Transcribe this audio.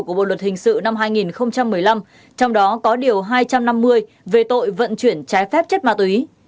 của bộ luật hình sự năm hai nghìn một mươi năm trong đó có điều hai trăm năm mươi về tội vận chuyển trái phép chất ma túy